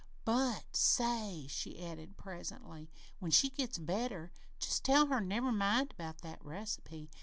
"But, say," she added, presently, "when she gets better, just tell her never mind about that reci pe.